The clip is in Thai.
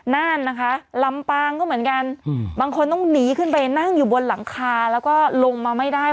นั่นนะคะลำปางก็เหมือนกันบางคนต้องหนีขึ้นไปนั่งอยู่บนหลังคาแล้วก็ลงมาไม่ได้